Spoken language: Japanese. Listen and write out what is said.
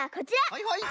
はいはい。